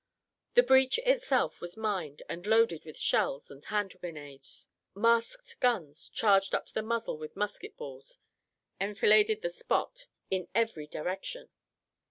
The breach itself was mined, and loaded with shells and hand grenades; masked guns, charged up to the muzzle with musket balls, enfiladed the spot in every direction.